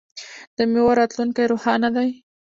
د میوو راتلونکی روښانه دی.